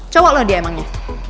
cowok lo dia emangnya